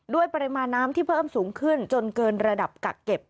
ปริมาณน้ำที่เพิ่มสูงขึ้นจนเกินระดับกักเก็บ